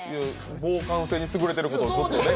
防寒性に優れていることをちょっとね。